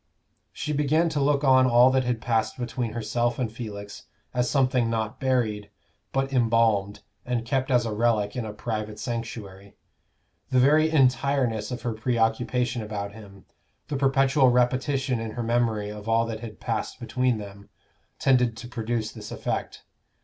She began to look on all that had passed between herself and Felix as something not buried, but embalmed and kept as a relic in a private sanctuary. The very entireness of her preoccupation about him, the perpetual repetition in her memory of all that had passed between them, tended to produce this effect.